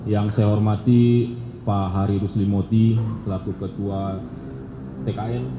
yang saya hormati pak hari ruslimoti selaku ketua tkn